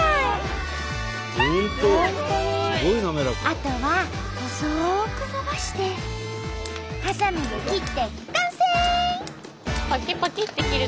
あとは細く伸ばしてはさみで切って完成！